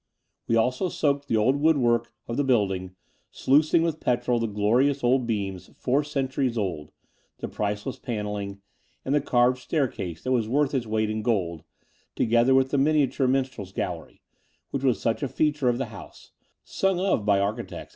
We also soaked the old woodwork of the building, sluicing with petrol the glorious old beams, four centuries old, the priceless panelling, and the carved staircase that was worth its weight in gold, together with the miniature minstrels' gallery, which was such a feature of the house, sung of by architects